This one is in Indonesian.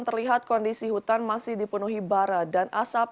terlihat kondisi hutan masih dipenuhi bara dan asap